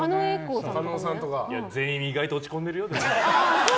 全員、意外と落ち込んでるよ。